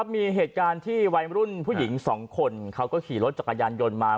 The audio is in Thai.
มีเหตุการณ์ที่วัยรุ่นผู้หญิง๒คนเขาก็ขี่รถจักรยานยนต์มา